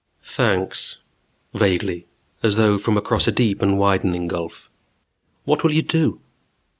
"Thanks." Vaguely, as though from across a deep and widening gulf. "What will you do?"